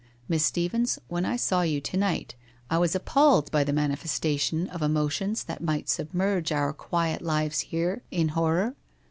Miss Stephens, when I saw you to night, I was appalled by the manifestation of emotions that might submerge our quiet lives here in horror.